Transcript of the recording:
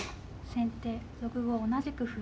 先手６五同じく歩。